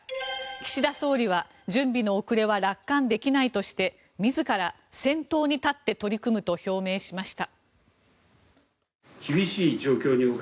岸田総理は準備の遅れは楽観できないとして自ら先頭に立って取り組むと表明しました。